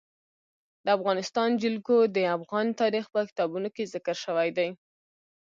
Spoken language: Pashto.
د افغانستان جلکو د افغان تاریخ په کتابونو کې ذکر شوی دي.